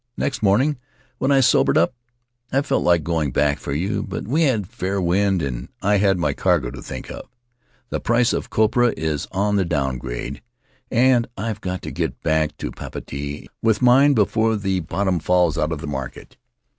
Next morning, when I sobered up, I felt like going back for you. But we had a fair wind, and I had my cargo to think of. The price of copra is on the down grade, and I've got to get back to Papeete with mine before the bottom falls out of the market.